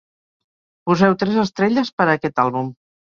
Poseu tres estrelles per a aquest àlbum